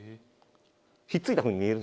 引っ付いたふうに見える。